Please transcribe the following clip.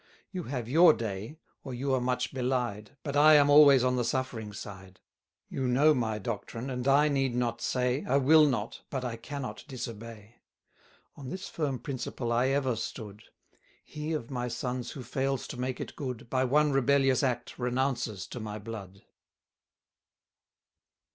You have your day, or you are much belied, But I am always on the suffering side: You know my doctrine, and I need not say, I will not, but I cannot disobey. 140 On this firm principle I ever stood; He of my sons who fails to make it good, By one rebellious act renounces to my blood.